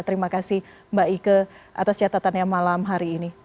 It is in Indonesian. terima kasih mbak ike atas catatannya malam hari ini